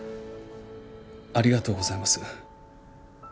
ありがとうございます。